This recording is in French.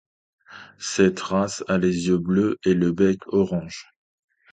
Cette race a les yeux bleus et le bec orange.